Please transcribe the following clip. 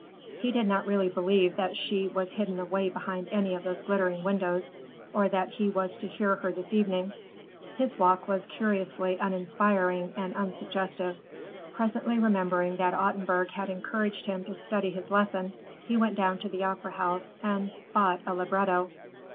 He did not really believe that she was hidden away behind any of those glittering windows, or that he was to hear her this evening. His walk was curiously uninspiring and unsuggestive. Presently remembering that Ottenburg had encouraged him to study his lesson, he went down to the opera house and bought a libretto.